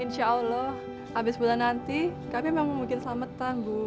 insya allah abis bulan nanti kami memang mungkin selamatan bu